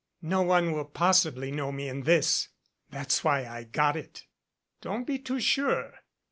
"No one will possibly know me in this. That's why I got it." "Don't be too sure.